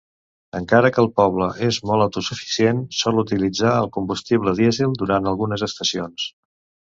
Encara que el poble és molt auto-suficient, sol utilitzar el combustible dièsel durant algunes estacions.